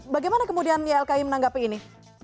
bagaimana kemudian ylki menanggapi ini